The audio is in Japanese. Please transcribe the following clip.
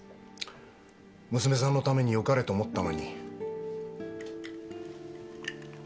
娘さんのためによかれと思ったのに。